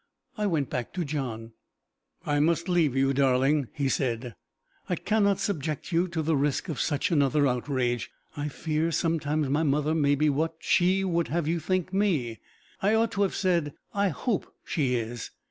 I went back to John. "I must leave you, darling!" he said. "I cannot subject you to the risk of such another outrage! I fear sometimes my mother may be what she would have you think me. I ought to have said, I hope she is.